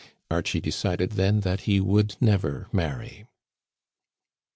Archie decided then that he would never marry.